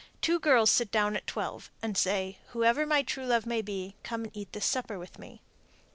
Two girls sit down at twelve, and say, "Whoever my true love may be, come and eat this supper with me."